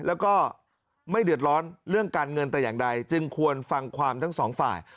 แล้วก็ไม่เดือดร้อนเรื่องการเงินแต่อย่างใดจึงควรฟังความทั้งสองฝ่าย